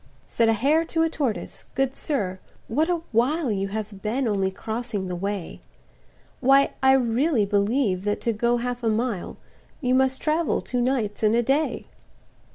Said a hare to a tortoise, "Good sir, what a while You have been only crossing the way; Why I really believe that to go half a mile, You must travel two nights and a day."